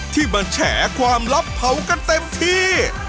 ที่มาแฉความลับเผากันเต็มที่